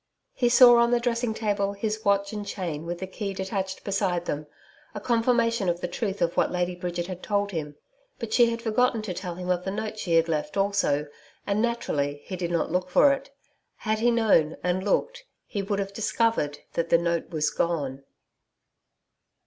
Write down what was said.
He saw on the dressing table his watch and chain with the key detached beside them a confirmnation of the truth of what Lady Bridget had told him. But she had forgotten to tell him of the note she had left also, and, naturally, he did not look for it. Had he known and looked he would have discovered that the note was gone.